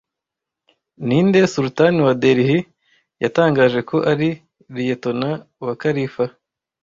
Ninde Sultan wa Delhi, yatangaje ko ari liyetona wa Khalifa